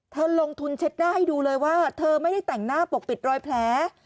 เธอลงทุนเช็ดหน้าให้ดูเลยว่าเธอไม่ได้แต่งหน้าปกปิดรอยแผล